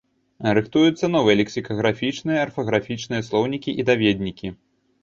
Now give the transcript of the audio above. Рыхтуюцца новыя лексікаграфічныя, арфаграфічныя слоўнікі і даведнікі.